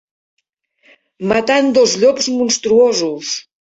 Matant dos llops monstruosos.